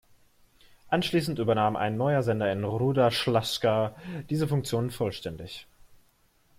Anschließend übernahm ein neuer Sender in Ruda Śląska diese Funktion vollständig.